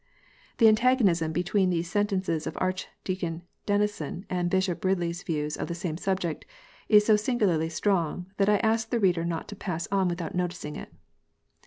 f The antagonism between these sentences of Archdeacon Denison and Bishop Ridley s views of the same subject, is so singularly strong, that I ask the reader not to pass on without noticing it.